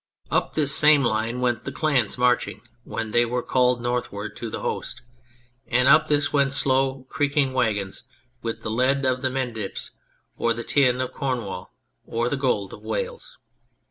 Up this same line went the Clans marching when they were called North ward to the Host ; and up this went slow, creaking wagons with the lead of the Mendips or the tin of Cornwall, or the gold of Wales.